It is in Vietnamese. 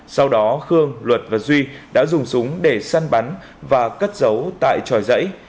sau đó khương luật và duy đã dùng súng để săn bắn và cất giấu tại tròi dãy